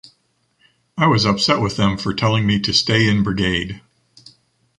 I was upset for them telling me to stay in brigade.